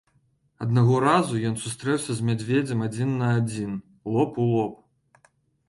Аднаго разу ён сустрэўся з мядзведзем адзін на адзін, лоб у лоб.